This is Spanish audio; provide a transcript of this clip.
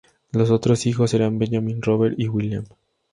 Los otros hijos eran Benjamín, Robert y William.